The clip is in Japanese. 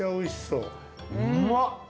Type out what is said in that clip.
うまっ！